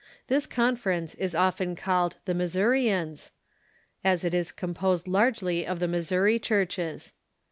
This conference is often called "The Missourians," as it is composed largely of the Missouri churches.